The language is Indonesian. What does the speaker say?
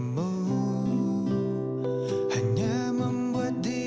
lo jangan nangis ya